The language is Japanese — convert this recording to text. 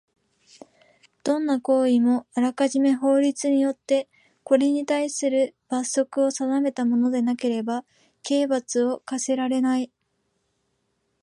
どんな行為もあらかじめ法律によってこれにたいする罰則を定めたものでなければ刑罰を科せられない。